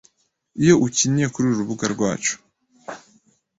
iyo ukiniye kuri uru rubuga rwacu